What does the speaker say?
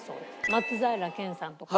松平健さんとか。